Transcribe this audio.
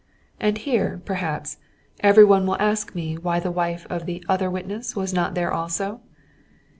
And here, perhaps, every one will ask me why the wife of the other witness was not there also?